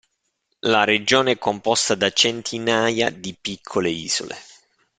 La regione è composta da centinaia di piccole isole.